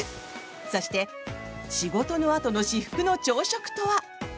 そして、仕事のあとの至福の朝食とは？